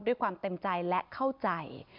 ด้วยความเต็มใจและเข้าใจ